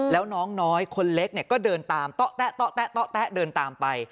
แล้วน้องน้อยคนเล็กก็เดินตามแต๊ะเดินตามไป